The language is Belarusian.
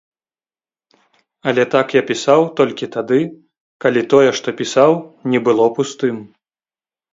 Але так я пісаў толькі тады, калі тое, што пісаў, не было пустым.